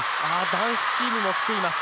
男子チームも来ています、